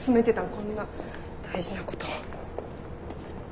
こんな大事なこと。